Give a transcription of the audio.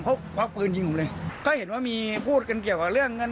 เขาควักปืนยิงผมเลยก็เห็นว่ามีพูดกันเกี่ยวกับเรื่องเงิน